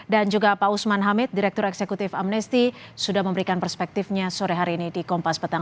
dan juga pak usman hamid direktur eksekutif amnesty sudah memberikan perspektifnya sore hari ini di kompas petang